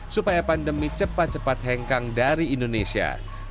supaya pandemi cepat cepat hengkang dari indonesia